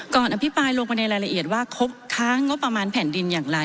อภิปรายลงไปในรายละเอียดว่าครบค้างงบประมาณแผ่นดินอย่างไร